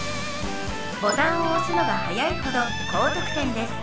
ボタンを押すのが早いほど高得点です。